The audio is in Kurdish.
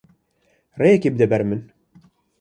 Rêyekê bide ber min.